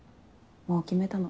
もう決めたの。